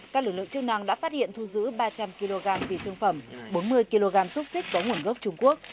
các lực lượng chức năng đã phát hiện thu giữ ba trăm linh kg vị thương phẩm bốn mươi kg xúc xích có nguồn gốc trung quốc